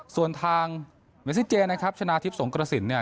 ส่วนทางเมซิเจนะครับชนะทิพย์สงกระสินเนี่ย